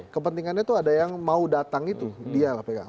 kepentingannya itu ada yang mau datang itu dialah pegang